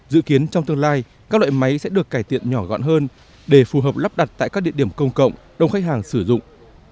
dự kiến trong tương lai các loại máy sẽ được cải tiện nhỏ gọn hơn để phù hợp lắp đặt tại các địa điểm công cộng đông khách hàng sử dụng